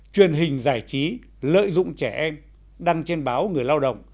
truyền hình giải trí lợi dụng trẻ em đăng trên báo người lao động